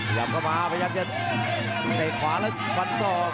หยับเข้ามาพยายามจะใกล้ขวาแล้วควัดสอบ